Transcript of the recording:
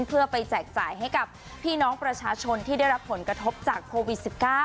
เพื่อไปแจกจ่ายให้กับพี่น้องประชาชนที่ได้รับผลกระทบจากโควิด๑๙